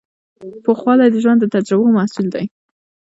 پوخوالی د ژوند د تجربو محصول دی.